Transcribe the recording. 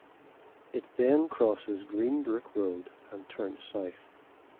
It then crosses Greenbrook Road and turns south.